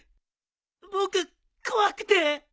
僕怖くて！